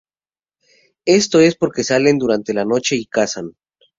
Es por esto que salen durante la noche y cazan.